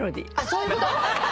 そういうこと！？